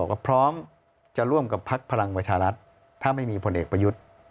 ก็พร้อมจะร่วมกับพักพลังประชารัฐถ้าไม่มีผลเอกประยุทธ์